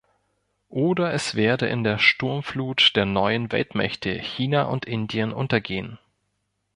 Oder es werde in der Sturmflut der neuen Weltmächte China und Indien untergehen.